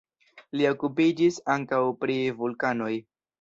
Li okupiĝis ankaŭ pri vulkanoj.